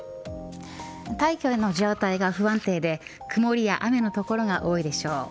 大気の状態が不安定で曇りや雨の所が多いでしょう。